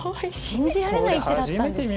信じられない一手だったんです。